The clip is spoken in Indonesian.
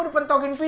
terima kasih kuperi